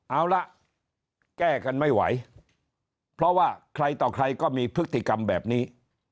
เอาละแก้กันไม่ไหวเพราะว่าใครต่อใครก็มีพฤติกรรมแบบนี้